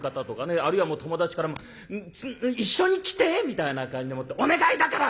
あるいは友達から「一緒に来て」みたいな感じでもって「お願いだから！」。